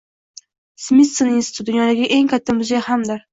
Smitson instituti — dunyodagi eng katta muzey hamdir